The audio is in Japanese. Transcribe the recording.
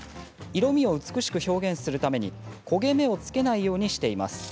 色みを美しく表現するために焦げ目をつけないようにしています。